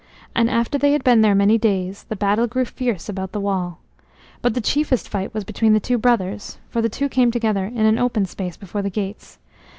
And after they had been there many days, the battle grew fierce about the wall. But the chiefest fight was between the two brothers, for the two came together in an open space before the gates.